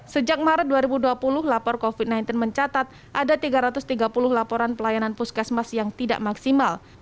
sejak maret dua ribu dua puluh lapor covid sembilan belas mencatat ada tiga ratus tiga puluh laporan pelayanan puskesmas yang tidak maksimal